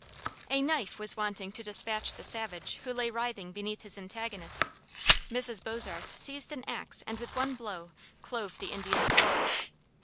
A knife was wanting to dispatch the savage who lay writhing beneath his antagonist. Mrs. Bozarth seized an axe and with one blow clove the Indian's skull.